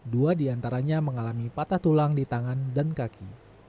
dua diantaranya mengalami patah tulang di tangan dan kaki